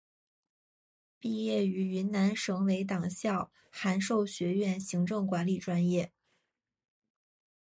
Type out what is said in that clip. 毕业于云南省委党校函授学院行政管理专业。